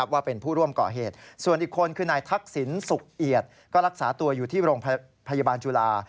ว่าเป็นผู้ร่วมก่อเหตุส่วนอีกคนคือนายทักษิณสุขเอียดก็รักษาตัวอยู่ที่โรงพยาบาลจุฬา